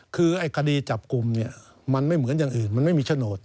คือไอ้คดีจับกลุ่มเนี่ยมันไม่เหมือนอย่างอื่นมันไม่มีโฉนด